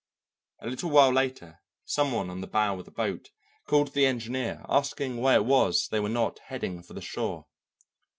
A little while later some one on the bow of the boat called to the engineer asking why it was they were not heading for the shore.